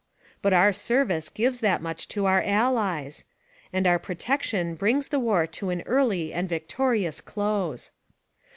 But our service gives that much to our allies. And our protection brings the war to an early and victorious close.